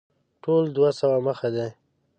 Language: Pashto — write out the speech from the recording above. ټول دوه سوه مخه دی.